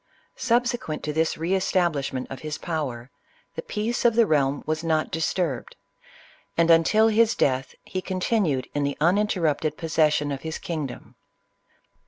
Subsequent to this re establishment of his power, the peace of the realm was not disturbed ; and until his death, he continued in the uninterrupted pos session of his kingdom.